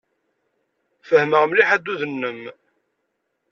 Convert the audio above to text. Fehmeɣ mliḥ addud-nnem.